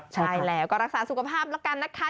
ใช่แล้วก็รักษาสุขภาพแล้วกันนะคะ